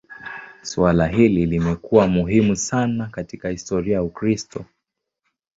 Suala hili limekuwa muhimu sana katika historia ya Ukristo.